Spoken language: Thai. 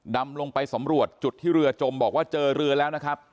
ดำลงไปสำรวจจุดที่เรือจมบอกว่าเจอเรือแล้วนะครับ